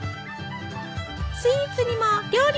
スイーツにも料理にも。